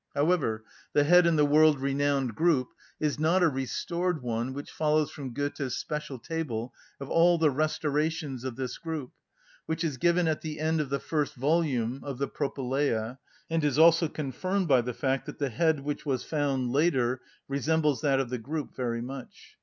However, the head in the world‐renowned group is not a restored one which follows from Goethe's special table of all the restorations of this group, which is given at the end of the first volume of the Propylæa, and is also confirmed by the fact that the head which was found later resembles that of the group very much.